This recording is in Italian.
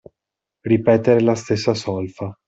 Ripetere la stessa solfa.